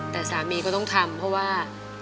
แต่สามีก็ต้องทำเพราะว่า